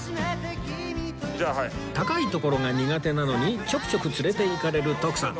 高い所が苦手なのにちょくちょく連れていかれる徳さん